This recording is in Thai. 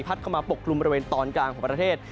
เข้ามาปกกลุ่มบริเวณตอนกลางของประเทศ